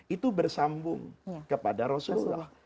itu bersambung kepada rasulullah